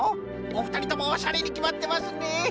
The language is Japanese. おふたりともおしゃれにきまってますね。